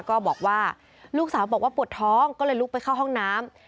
ก็บอกว่าลูกสาวบอกว่าปวดท้องก็เลยลุกไปเข้าห้องน้ำ